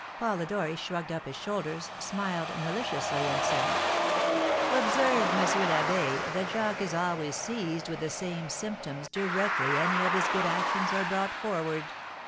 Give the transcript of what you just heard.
Polidori shrugged up his shoulders, smiled maliciously, and said: "Observe, M. l'Abbé, that Jacques is always seized with the same symptoms directly any of his good actions are brought forward.